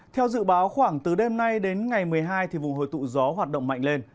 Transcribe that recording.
theo dự báo khoảng từ đêm nay đến ngày một mươi hai vùng hồi tụ gió hoạt động mạnh lên